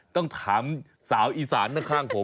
ต้องถามสาวอีสานข้างผมแมงจิปโปม